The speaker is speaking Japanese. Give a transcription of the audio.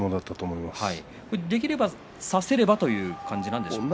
できれば差せればというところだったんでしょうか。